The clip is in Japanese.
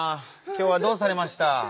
きょうはどうされました？